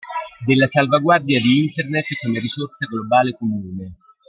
Della salvaguardia di Internet come risorsa globale comune.